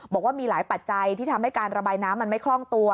บอกว่ามีหลายปัจจัยที่ทำให้การระบายน้ำมันไม่คล่องตัว